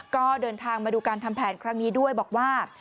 ก็เดินทางมาดูการทำแผนครั้งนี้ด้วยบอกว่า